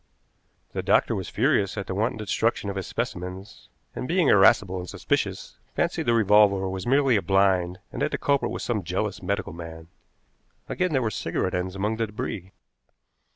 The doctor was furious at the wanton destruction of his specimens, and, being irascible and suspicious, fancied the revolver was merely a blind and that the culprit was some jealous medical man. Again there were cigarette ends among the débris.